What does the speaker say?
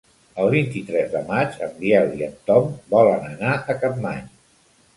El vint-i-tres de maig en Biel i en Tom volen anar a Capmany.